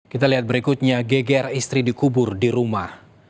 kita lihat berikutnya geger istri dikubur di rumah